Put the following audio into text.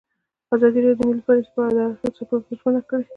ازادي راډیو د مالي پالیسي په اړه د هر اړخیز پوښښ ژمنه کړې.